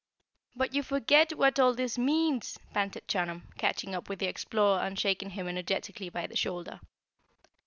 "But you forget what all this means!" panted Chunum, catching up with the Explorer and shaking him energetically by the shoulder.